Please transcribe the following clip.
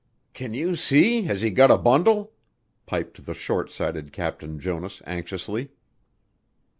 "Can you see has he got a bundle?" piped the short sighted Captain Jonas anxiously.